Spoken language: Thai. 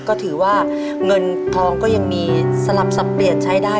ก็ถือว่าเงินทองก็ยังมีสลับสับเปลี่ยนใช้ได้